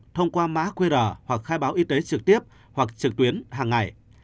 thông qua mã qr hoặc khai báo y tế trực tiếp hoặc trực tuyến hàng ngày